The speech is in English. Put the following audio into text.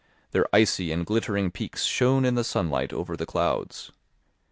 Their icy and glittering peaks shone in the sunlight over the clouds.